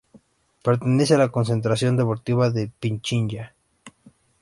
Pertenece a la Concentración Deportiva de Pichincha.